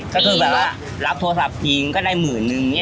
ก็คือหลับโทรศัพท์จริงได้หมื่นนึง